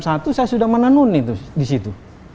saya sudah menelon disitu